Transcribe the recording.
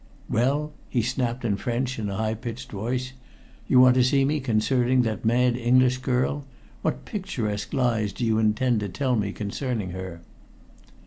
"Well?" he snapped in French in a high pitched voice. "You want to see me concerning that mad English girl? What picturesque lies do you intend to tell me concerning her?"